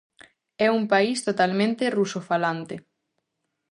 É un país totalmente rusofalante.